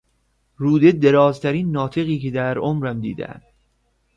روده دراز ترین ناطقی که در عمرم دیدهام